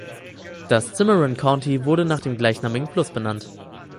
Das Cimarron County wurde nach dem gleichnamigen Fluss benannt.